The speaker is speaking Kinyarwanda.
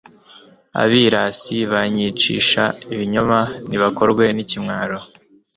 abirasi banyicisha ibinyoma nibakorwe n'ikimwaro